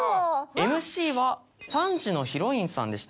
ＭＣは３時のヒロインさんでした。